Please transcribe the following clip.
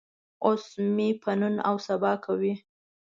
اوس مې په نن او سبا کوي.